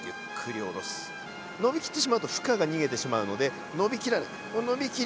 伸びきってしまうと負荷が逃げてしまうので伸びきらない伸びきる